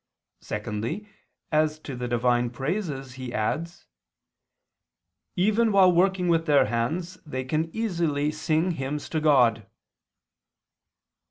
Secondly, as to the divine praises he adds: "Even while working with their hands they can easily sing hymns to God."